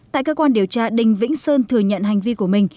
tại cơ quan điều tra đinh vĩnh sơn thừa nhận hành vi của mình